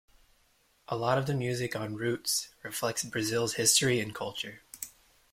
A lot of the music on "Roots" reflects Brazil's history and culture.